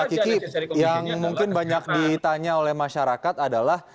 pak kiki yang mungkin banyak ditanya oleh masyarakat adalah